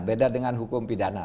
beda dengan hukum pidana